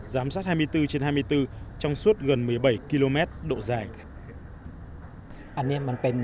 giám sát hai mươi bốn trên hai mươi bốn trong suốt gần một mươi bảy km độ dài